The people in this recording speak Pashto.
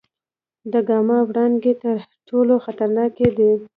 د ګاما وړانګې تر ټولو خطرناکې دي.